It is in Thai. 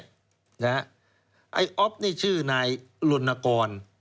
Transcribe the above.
ไอ้อ๊อฟนี่ชื่อนายลนกร